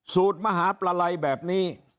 สูตรมหาประไลแบบนี้